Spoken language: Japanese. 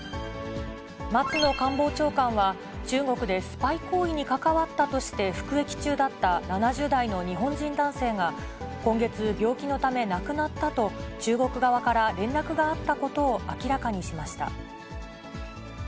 松野官房長官は、中国でスパイ行為に関わったとして服役中だった７０代の日本人男性が今月、病気のため亡くなったと中国側から連絡があったことを明らかにしました。